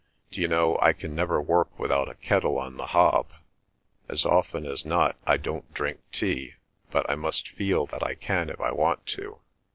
D'you know, I can never work without a kettle on the hob. As often as not I don't drink tea, but I must feel that I can if I want to."